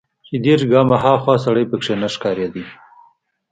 چې دېرش ګامه ها خوا سړى پکښې نه ښکارېده.